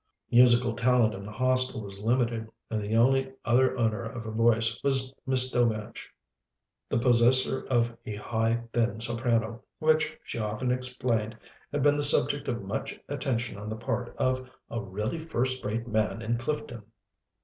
Musical talent in the Hostel was limited, and the only other owner of a voice was Miss Delmege, the possessor of a high, thin soprano, which, she often explained, had been the subject of much attention on the part of "a really first rate man in Clifton."